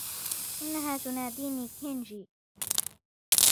إنها تنادني كنجي.